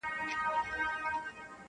• پر اوږو کتاب اخیستې؛ نن د علم جنازه ده..